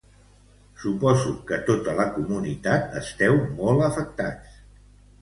Suposo que tota la comunitat esteu molt afectats.